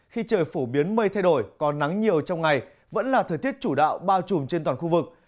khi trời phổ biến mây thay đổi còn nắng nhiều trong ngày vẫn là thời tiết chủ đạo bao trùm trên toàn khu vực